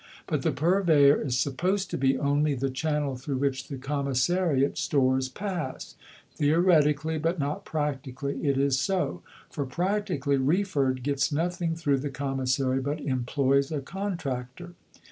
But the Purveyor is supposed to be only the channel through which the Commissariat stores pass. Theoretically, but not practically, it is so. (For practically Wreford gets nothing through the Commissary, but employs a contractor.)